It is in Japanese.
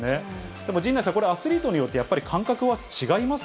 でも陣内さん、これアスリートによって、やっぱり感覚は違います